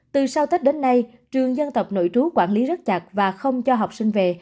từ sau tết đến nay trường dân tộc nội trú quản lý rất chặt và không cho học sinh về